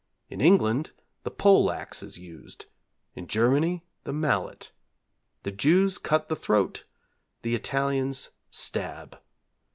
In England the pole axe is used; in Germany the mallet; the Jews cut the throat; the Italians stab.